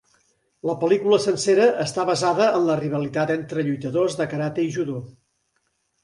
La pel·lícula sencera està basada en la rivalitat entre lluitadors de karate i judo.